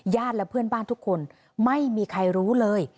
และเพื่อนบ้านทุกคนไม่มีใครรู้เลย